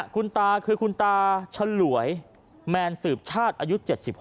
คุณตาคือคุณตาฉลวยแมนสืบชาติอายุ๗๖